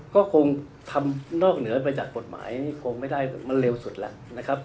ก็คงทำนอกเหนือไปจากกฎหมายนี่คงไม่ได้มันเร็วสุดแล้วนะครับ